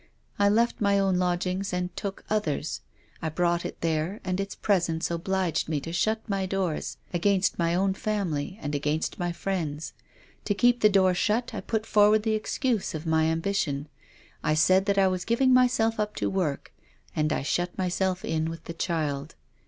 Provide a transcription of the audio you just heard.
I left my own lodgings and took others. I brought it there, and its presence obliged me to shut my doors against my own family and against my friends. To keep the door shut I put for ward the excuse of my ambition. I said that I was giving myself up to work and I shut myself in with the child.